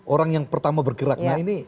orang yang pertama bergerak